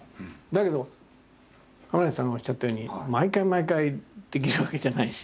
だけど亀梨さんがおっしゃったように毎回毎回できるわけじゃないし。